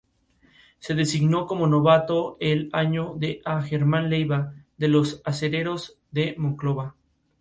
Se designó como novato del año a Germán Leyva de los Acereros de Monclova.